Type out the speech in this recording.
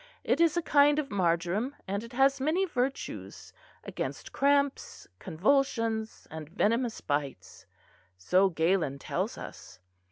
It is a kind of marjoram, and it has many virtues, against cramps, convulsions and venomous bites so Galen tells us."